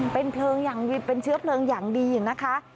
เป็นเพลิงอย่างเป็นเชื้อเพลิงอย่างดีนะคะ